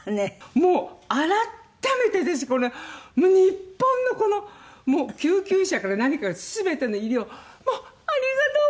もう改めて私この日本のこの救急車から何から全ての医療もうありがとう！